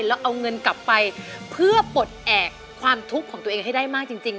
แล้วเอาเงินกลับไปเพื่อปลดแอบความทุกข์ของตัวเองให้ได้มากจริง